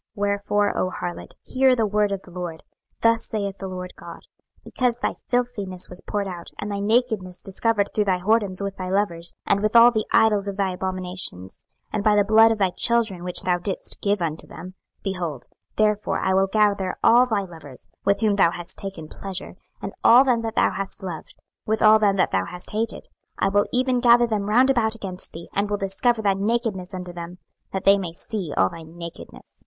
26:016:035 Wherefore, O harlot, hear the word of the LORD: 26:016:036 Thus saith the Lord GOD; Because thy filthiness was poured out, and thy nakedness discovered through thy whoredoms with thy lovers, and with all the idols of thy abominations, and by the blood of thy children, which thou didst give unto them; 26:016:037 Behold, therefore I will gather all thy lovers, with whom thou hast taken pleasure, and all them that thou hast loved, with all them that thou hast hated; I will even gather them round about against thee, and will discover thy nakedness unto them, that they may see all thy nakedness.